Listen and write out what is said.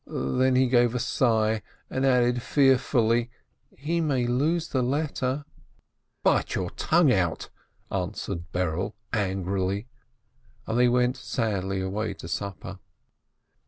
Then he gave a sigh, and added fearfully : "He may lose the letter !" "Bite your tongue out!" answered Berele, angrily, and they went sadly away to supper.